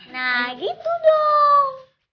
nah gitu dong